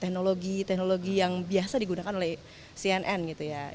teknologi teknologi yang biasa digunakan oleh cnn gitu ya